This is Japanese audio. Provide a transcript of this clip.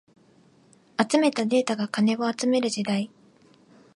集めたデータが金を集める時代